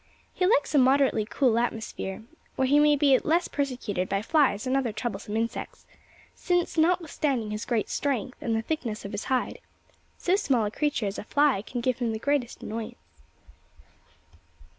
He likes a moderately cool atmosphere where he may be less persecuted by flies and other troublesome insects: since, notwithstanding his great strength and the thickness of his hide, so small a creature as a fly can give him the greatest annoyance.